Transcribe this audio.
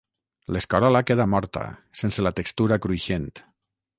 l'escarola queda morta, sense la textura cruixent